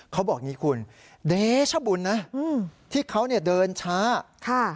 เขาบอกอย่างงี้คุณเดชบุญนะอืมที่เขาเนี่ยเดินช้าค่ะ